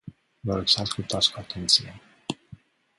Vă rog să ascultați cu atenție.